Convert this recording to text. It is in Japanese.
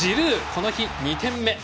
この日２点目。